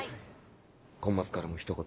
コンマスからもひと言。